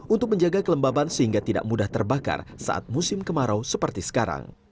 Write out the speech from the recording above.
untuk menjaga kelembaban sehingga tidak mudah terbakar saat musim kemarau seperti sekarang